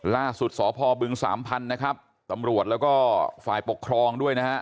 ล่าสุดสภบึ๋งสามพันนะครับตำรวจแล้วก็ฝัยปกครองด้วยนะฮะ